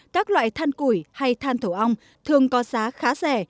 các loại than củi hay than thổ ong thường có giá khá rẻ